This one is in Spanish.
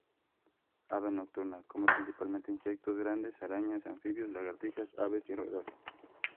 Ave nocturna, come principalmente insectos grandes, arañas, anfibios, lagartijas, aves y roedores.